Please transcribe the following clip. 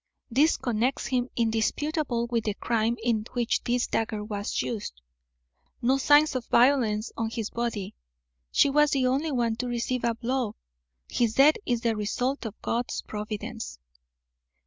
This connects him indisputably with the crime in which this dagger was used. No signs of violence on his body. She was the only one to receive a blow. His death is the result of God's providence."